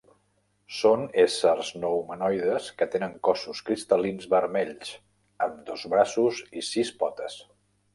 Són éssers no humanoides que tenen cossos cristal·lins vermells, amb dos braços i sis potes.